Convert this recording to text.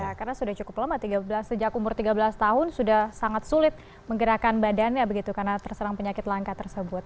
ya karena sudah cukup lama sejak umur tiga belas tahun sudah sangat sulit menggerakkan badannya begitu karena terserang penyakit langka tersebut